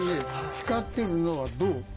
光ってるのは銅。